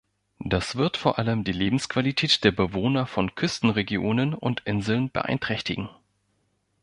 Das wird vor allem die Lebensqualität der Bewohner von Küstenregionen und Inseln beeinträchtigen.